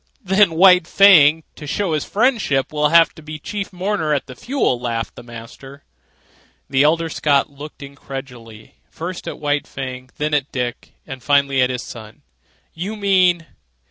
"Then White Fang, to show his friendship, will have to be chief mourner at the funeral," laughed the master. The elder Scott looked incredulously, first at White Fang, then at Dick, and finally at his son. "You mean